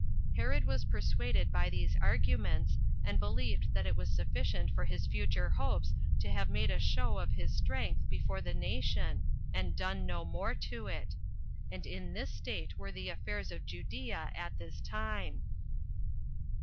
Herod was persuaded by these arguments, and believed that it was sufficient for his future hopes to have made a show of his strength before the nation, and done no more to itand in this state were the affairs of Judea at this time.